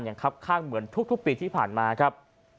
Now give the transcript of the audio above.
ครับข้างเหมือนทุกปีที่ผ่านมาครับ